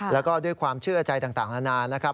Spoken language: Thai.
แล้วก็ด้วยความเชื่อใจต่างนานานะครับ